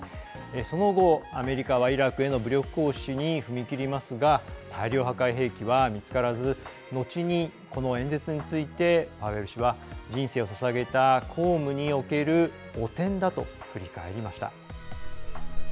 その後アメリカは、イラクへの武力行使に踏み切りますが大量破壊兵器は見つからず後に、この演説についてパウエル氏は人生をささげた公務における「汚点だ」と振り返りました。